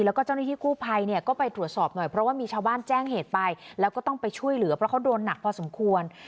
แล้วก็เจ้าหน้าที่กู้ภัยเนี่ยก็ไปตรวจสอบหน่อยเพราะว่ามีชาวบ้านแจ้งเหตุไปแล้วก็ต้องไปช่วยเหลือเพราะเขาโดนหนักพอสมควร